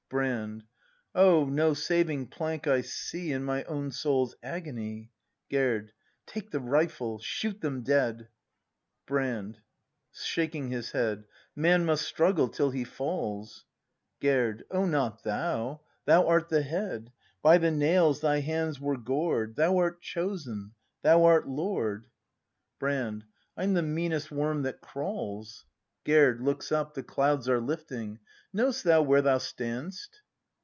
Brand. Oh, no saving plank I see. In my own soul's agony! Gerd. Take the rifle! Shoot them dead— Brand. [Shaking his head.] Man must struggle till he falls. Gerd. Oh, not thou; thou art the head! By the nails thy hands were gored ; Thou art chosen; thou art Lord. 302 BRAND [act v Brand. I'm the meanest worm that crawls. Gerd. [Looks up; the clouds are lifting.] Know'st thou where thou stand 'st?